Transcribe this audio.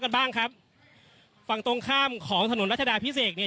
กันบ้างครับของถนวนราชดาพิเศษเนี้ย